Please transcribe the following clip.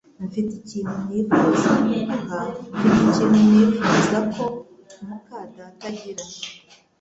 Mfite ikintu nifuza kuguha Mfite ikintu nifuza ko muka data agira